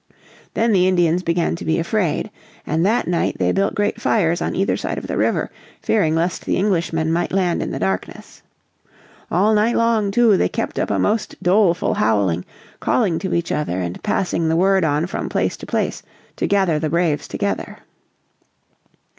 Then the Indians began to be afraid. And that night they built great fires on either side of the river, fearing lest the Englishmen might land in the darkness. All night long, too, they kept up a most doleful howling, calling to each other and passing the word on from place to place to gather the braves together.